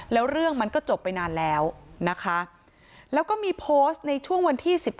แล้วเรื่องมันก็จบไปนานแล้วนะคะแล้วก็มีโพสต์ในช่วงวันที่๑๙